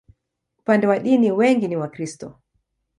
Upande wa dini, wengi ni Wakristo.